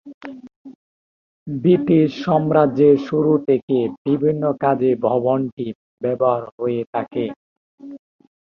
British সাম্রাজ্যের শুরু থেকে বিভিন্ন কাজে ভবনটি ব্যবহৃত হতে থাকে।